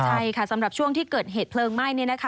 ใช่ค่ะสำหรับช่วงที่เกิดเหตุเพลิงไหม้